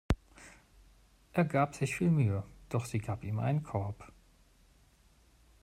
Er gab sich viel Mühe, doch sie gab ihm einen Korb.